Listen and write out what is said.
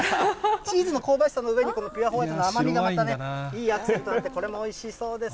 チーズの香ばしさの上にこのピュアホワイトの甘みがまたね、いいアクセントになって、これもおいしそうです。